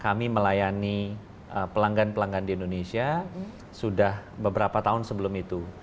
kami melayani pelanggan pelanggan di indonesia sudah beberapa tahun sebelum itu